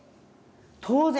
当然。